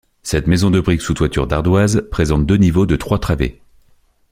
Cette maison de briques sous toiture d'ardoises présente deux niveaux de trois travées.